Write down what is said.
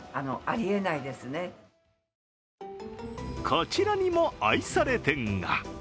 こちらにも愛され店が。